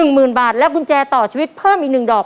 หมื่นบาทและกุญแจต่อชีวิตเพิ่มอีก๑ดอก